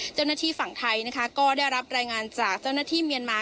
เจ้าหน้าที่ฝั่งไทยนะคะก็ได้รับรายงานจากเจ้าหน้าที่เมียนมา